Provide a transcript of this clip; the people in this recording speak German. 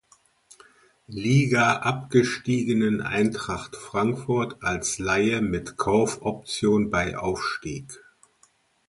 Liga abgestiegenen Eintracht Frankfurt als Leihe mit Kaufoption bei Aufstieg.